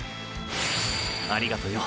ありがとよ